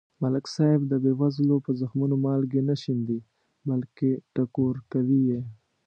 ملک صاحب د بې وزلو په زخمونو مالګې نه شیندي. بلکې ټکور کوي یې.